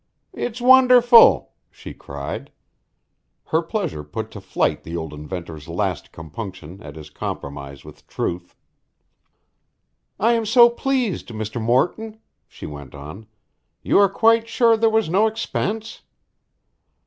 "It's wonderful!" she cried. Her pleasure put to flight the old inventor's last compunction at his compromise with truth. "I am so pleased, Mr. Morton!" she went on. "You are quite sure there was no expense."